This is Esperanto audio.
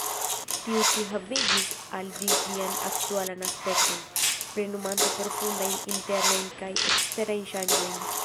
Tiu-ĉi havigis al ĝi ĝian aktualan aspekton, plenumante profundajn internajn kaj eksterajn ŝanĝojn.